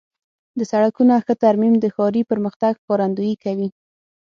د سړکونو ښه ترمیم د ښاري پرمختګ ښکارندویي کوي.